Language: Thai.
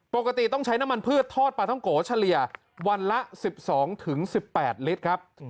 ปกติต้องใช้น้ำมันพืชทอดปลาท้องโกเฉลี่ยวันละ๑๒๑๘ลิตรครับ